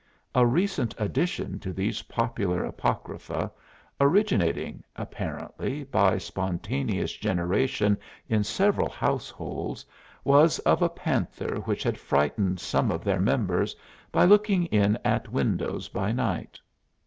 A recent addition to these popular apocrypha, originating, apparently, by spontaneous generation in several households, was of a panther which had frightened some of their members by looking in at windows by night.